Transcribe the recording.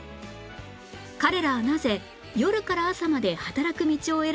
彼らはなぜ夜から朝まで働く道を選んだのか